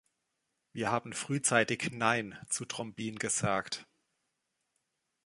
Wir haben frühzeitig "Nein" zu Thrombin gesagt.